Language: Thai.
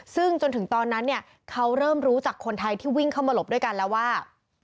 ซึ่งจนถึงตอนนั้นเนี่ยเขาเริ่มรู้จักคนไทยที่วิ่งเข้ามาหลบด้วยกันแล้วว่า